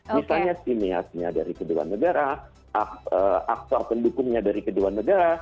misalnya siniasnya dari kedua negara aktor pendukungnya dari kedua negara